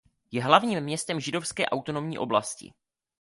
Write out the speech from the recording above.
Je hlavním městem Židovské autonomní oblasti.